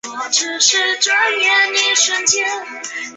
这条铁路被称为或。